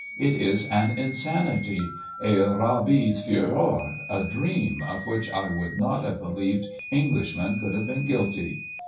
It is an insanity — a rabies furor — a dream — of which I would not have believed Englishmen could have been guilty."